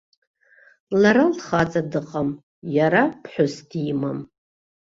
Лара лхаҵа дыҟам, иара ԥҳәыс димам.